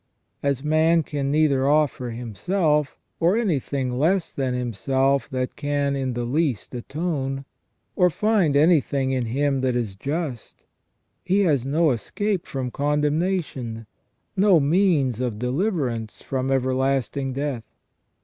As man can neither offer himself, or anything less than himself that can in the least atone, or find anything in him that is just, he has no escape from condemnation, no means of deliverance from everlasting death.